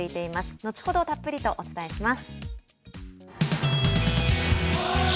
後ほどたっぷりとお伝えします。